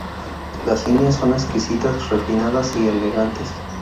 Las líneas son exquisitas, refinadas y elegantes.